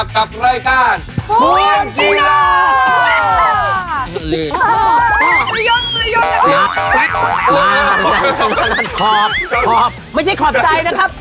ไม่ใช่ขอบใจนะครับ